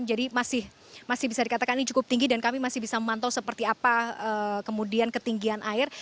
jadi masih bisa dikatakan ini cukup tinggi dan kami masih bisa memantau seperti apa kemudian ketinggian air